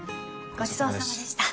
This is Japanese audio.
ごちそうさまです。